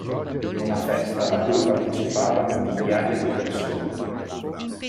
Una festa a cui partecipavano migliaia di persone.